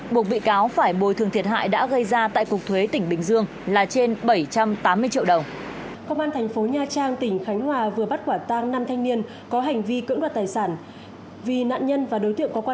buộc bị cáo phải bồi thường thiệt hại đã gây ra tại cục thuế tỉnh bình dương là trên bảy trăm tám mươi triệu đồng